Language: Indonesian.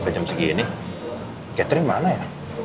ke jam segini catering mana ya